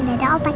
mari om tante